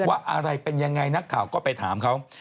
ว่าอะไรเป็นยังไงนักข่าวก็ไปถามเขา